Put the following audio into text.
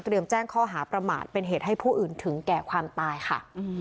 แจ้งข้อหาประมาทเป็นเหตุให้ผู้อื่นถึงแก่ความตายค่ะ